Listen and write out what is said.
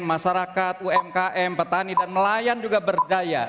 masyarakat umkm petani dan nelayan juga berdaya